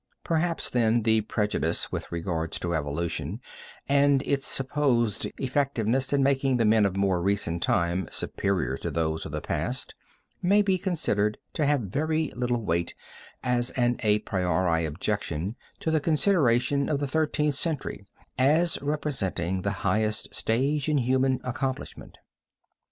Perhaps, then, the prejudice with regard to evolution and its supposed effectiveness in making the men of more recent times superior to those of the past, may be considered to have very little weight as an a priori objection to the consideration of the Thirteenth Century as representing the highest stage in human accomplishment.